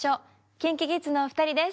ＫｉｎＫｉＫｉｄｓのお二人です。